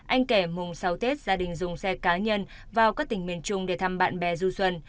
anh kẻ mùng sáu tết gia đình dùng xe cá nhân vào các tỉnh miền trung để thăm bạn bè du xuân